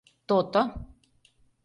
— То-то!